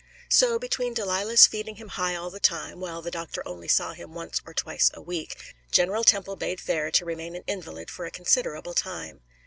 So, between Delilah's feeding him high all the time, while the doctor only saw him once or twice a week, General Temple bade fair to remain an invalid for a considerable time.